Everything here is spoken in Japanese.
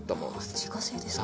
自家製ですか。